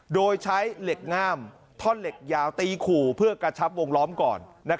โดยใช้เหล็กง่ามท่อนเหล็กยาวตีขู่เพื่อกระชับวงล้อมก่อน